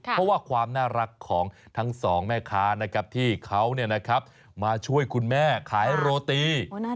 เพราะว่าความน่ารักของทั้งสองแม่ค้านะครับที่เขามาช่วยคุณแม่ขายโรตี